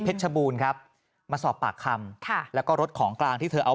ชบูรณ์ครับมาสอบปากคำค่ะแล้วก็รถของกลางที่เธอเอา